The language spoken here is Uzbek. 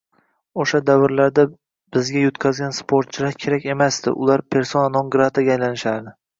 Oʻsha davrlarda bizga yutqazgan sportchilar kerak emasdi, ular persona non grataga aylanishardi.